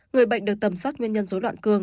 người bệnh được tầm soát nguyên nhân dối loạn cương